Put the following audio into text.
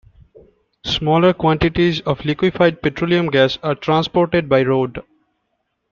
Smaller quantities of liquefied petroleum gas are transported by road.